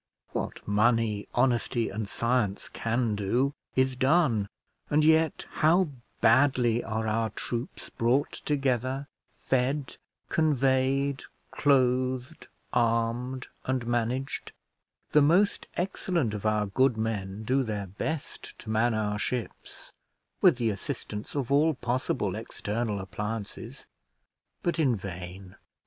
What money, honesty, and science can do, is done; and yet how badly are our troops brought together, fed, conveyed, clothed, armed, and managed. The most excellent of our good men do their best to man our ships, with the assistance of all possible external appliances; but in vain.